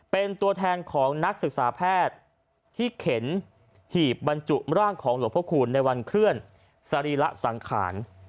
เป็นตัวแทนของนักศึกษาแพทย์ที่เข็นหีบบรรจุร่างของหลวงพระคูณในวันเคลื่อนสรีระสังขาร